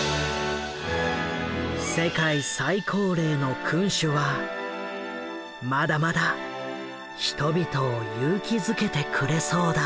世界最高齢の君主はまだまだ人々を勇気づけてくれそうだ。